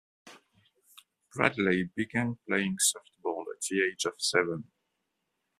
Bradley began playing softball at the age of seven.